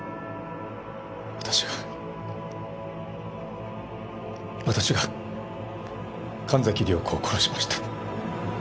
私が私が神崎涼子を殺しました。